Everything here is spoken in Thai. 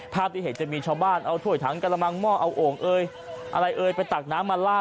ภาพอิเหตุจะมีชาวบ้านเอาถ่วยถังกระดำม่อเอาโอ่งเอยอะไรเอยไปตักน้ำมาร่า